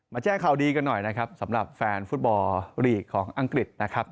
แจ้งข่าวดีกันหน่อยนะครับสำหรับแฟนฟุตบอลลีกของอังกฤษนะครับ